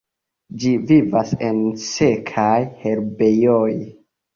Ĝi vivas en sekaj herbejoj.